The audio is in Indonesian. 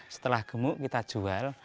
setelah gemuk kita jual